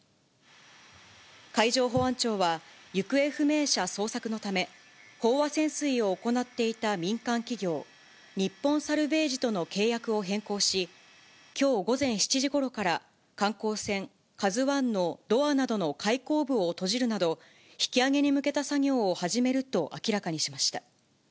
海上保安庁は、行方不明者捜索のため、飽和潜水を行っていた民間企業、日本サルヴェージとの契約を変更し、きょう午前７時ごろから、観光船ＫＡＺＵＩのドアなどの開口部を閉じるなど、引き揚げに向けた作業を始めると明らかにしました。